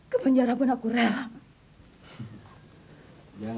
ketika aku sedang tersenyum di penjara aku tidak berkepungan